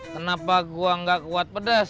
kenapa gue nggak kuat pedas